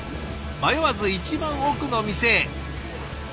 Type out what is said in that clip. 迷わず一番奥の店へ。